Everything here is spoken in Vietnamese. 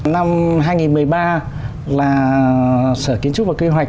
năm hai nghìn một mươi ba là sở kiến trúc và kế hoạch